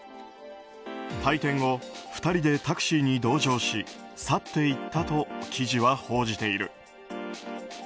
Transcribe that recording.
退店後、２人でタクシーに同乗し去って行ったと記事は報じている。